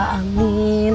aduh pak amin